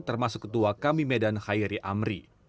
termasuk ketua kami medan hairi amri